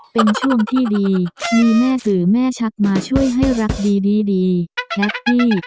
เป็นช่วงที่ดีมีแม่สื่อแม่ชักมาช่วยให้รักดีรักพี่